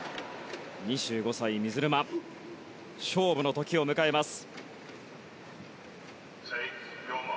２５歳、水沼勝負の時を迎えます。